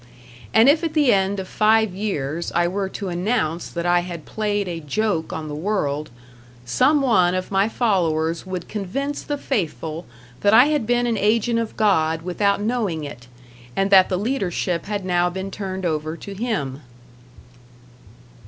And if at the end of five years I were to announce that I had played a joke on the world, some one of my followers would convince the faithful that I had been an agent of God without knowing it, and that the leadership had now been turned over to him.